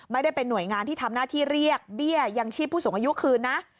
ไม่ได้เป็นหน่วยงานที่ทำหน้าที่เรียกเบี้ยยังชีพผู้สูงอายุคืนนะ